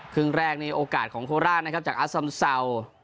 ครึ่งแรกนี่โอกาสของโคราชนะครับจากอาซอมเศร้า